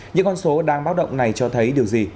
những con số đang báo động này cho thấy điều gì